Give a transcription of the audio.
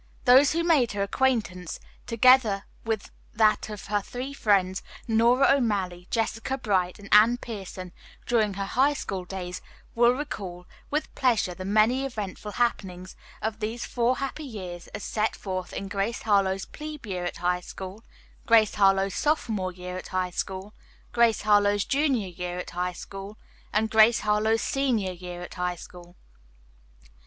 Those who made her acquaintance, together with that of her three friends, Nora O'Malley, Jessica Bright and Anne Pierson, during her high school days will recall with pleasure the many eventful happenings of these four happy years as set forth in "Grace Harlowe's Plebe Year at High School," "Grace Harlowe's Sophomore Year at High School," "Grace Harlowe's Junior Year at High School" and "Grace Harlowe's Senior Year at High School."